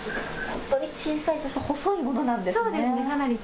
本当に小さい、細いものなんですね。